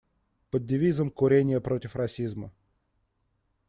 Под девизом: «Курение против расизма».